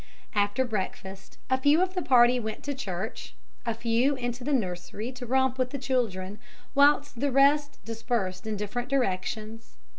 After breakfast a few of the party went to church, a few into the nursery to romp with the children, whilst the rest dispersed in different directions.